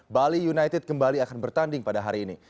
bali united kembali akan bertanding pada hari ini